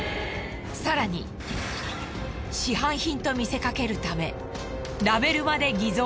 更に市販品と見せかけるため